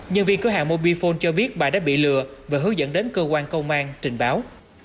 nhân viên cửa hàng mobifone cho biết bà đã bị lừa và hướng dẫn đến cơ quan công an trình báo